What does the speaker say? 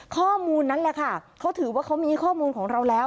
ข้อมูลนั้นแหละค่ะเขาถือว่าเขามีข้อมูลของเราแล้ว